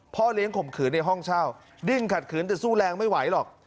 เลี้ยงข่มขืนในห้องเช่าดิ้นขัดขืนแต่สู้แรงไม่ไหวหรอก